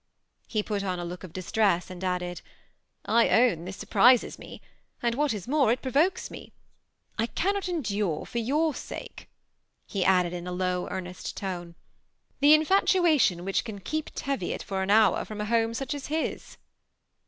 He put on . a look of distress, and added, ^I own this surprises me ; and what is more, it pro vokes me. I cannot ei^ure for your sake," he added, in a low, earnest tone, ^the infatoation which can keep Teviot for an hour frcmi such an home as his."